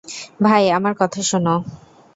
ভাই, আমার কথা শোনো।